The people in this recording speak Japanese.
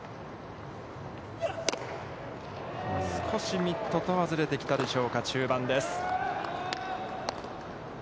少しミットとはずれてきたでしょうか中盤です。